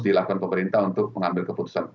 dilakukan pemerintah untuk mengambil keputusan